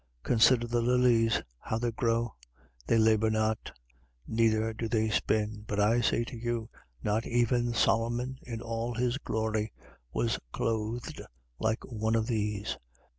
12:27. Consider the lilies, how they grow: they labour not, neither do they spin. But I say to you, not even Solomon in all his glory was clothed like one of these.